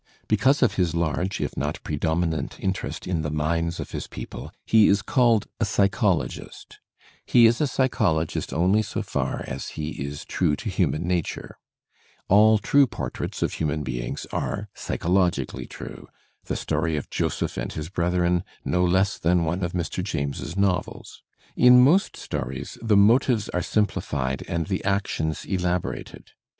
Because of his large if not predominant interest in the minds of his Digitized by Google 386 THE SPIRIT OF AMERICAN LITERATURE people, he is called a "psychologist." He is a psychologist only so far as he is true to human nature. All true portraits of human beings are psychologically true, the story of Joseph and his brethren, no less than one of Mr. James's novels. In most stories the motives are simplified and the actions elaborated.